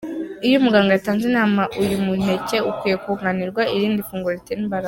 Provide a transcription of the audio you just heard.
Uyu muganga yatanze inama ko uyu muneke ukwiye kunganirwa n’irindi funguro ritera imbaraga.